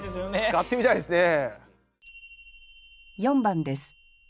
使ってみたいですね。